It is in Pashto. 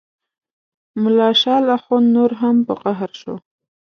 ملا شال اخند نور هم په قهر شو.